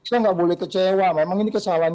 saya nggak boleh kecewa memang ini kesalahan